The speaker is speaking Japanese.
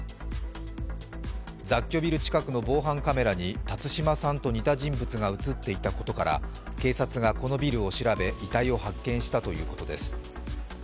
雑居ビル近くの防犯カメラに辰島さんと似た人物が映っていたことから警察がこのビルを調べ遺体を発見したということです。